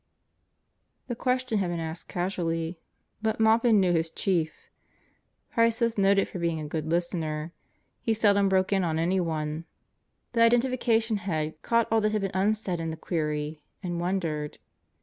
The question had been asked casually, but Maupin knew his Chief. Price was noted for being a good listener. He seldom broke Chief Price Is Uneasy 5 in on anyone. The Identification Head caught all that had been unsaid in the query, and wondered.